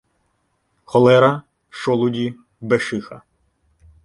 Холера, шолуді, бешиха